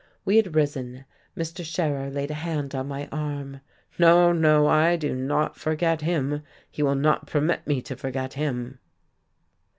We had risen. Mr. Scherer laid a hand on my arm. "No, no, I do not forget him. He will not permit me to forget him."